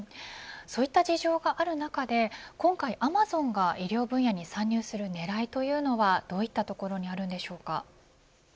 そういった事情がある中で今回アマゾンが医療分野に参入する狙いというのはどういったところにあるんでしょうか。